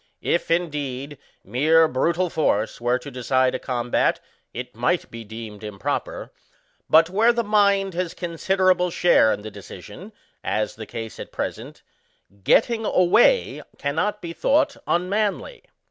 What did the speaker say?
If, indeed, mere brutal force were to decide a combat, it might be deemed improper; but, where the mind has con siderable share in the decision, as the case at present, getting away cannot be thought unmanly.